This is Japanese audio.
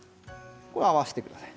合わせてください。